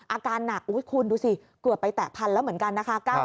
อาการหนักคุณดูสิกว่าไปแต่พันธุ์แล้วเหมือนกัน